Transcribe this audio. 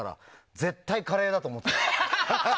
絶対、カレーだと思った。